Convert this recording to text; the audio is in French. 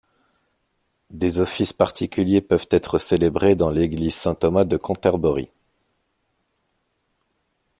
Des offices particuliers peuvent être célébrés dans l'église Saint-Thomas-de-Cantorbéry.